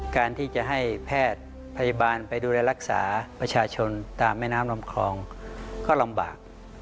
การที่จะให้แพทย์พยาบาลไปดูแลรักษาประชาชนตามแม่น้ำลำคลองก็ลำบาก